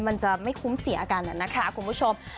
มันจะไม่คุ้มเสียกันนะคะคุณผู้ชม